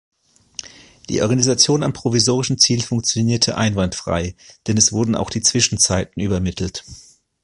Die Organisation am provisorischen Ziel funktionierte einwandfrei, denn es wurden auch die Zwischenzeiten übermittelt.